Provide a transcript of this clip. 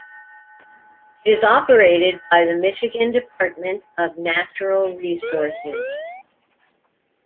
It is operated by the Michigan Department of Natural Resources.